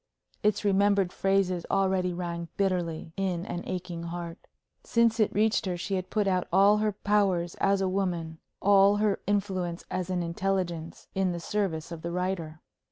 Its remembered phrases already rang bitterly in an aching heart. Since it reached her, she had put out all her powers as a woman, all her influence as an intelligence, in the service of the writer.